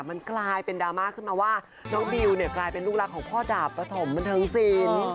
มันกลายเป็นดราม่าขึ้นมาว่าน้องบิวเนี่ยกลายเป็นลูกรักของพ่อดาบปฐมบันเทิงศิลป์